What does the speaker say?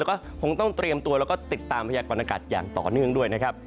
แล้วก็คงต้องเตรียมตัวแล้วก็ติดตามพยากรณากาศอย่างต่อเนื่องด้วยนะครับ